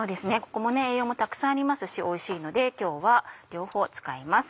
ここも栄養もたくさんありますしおいしいので今日は両方使います。